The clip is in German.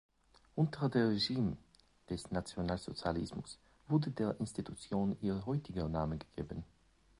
Unter dem Regime des Nationalsozialismus wurde der Institution ihr heutiger Name gegeben.